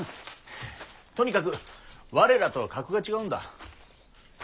とにかく我らとは格が違うんだ。